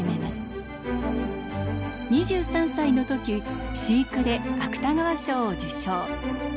２３歳の時「飼育」で芥川賞を受賞。